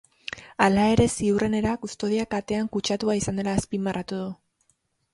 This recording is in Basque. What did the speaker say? Hala ere, ziurrenera, kustodia katean kutsatua izan dela azpimarratu du.